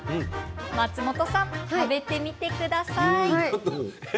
松本さん、食べてみてください。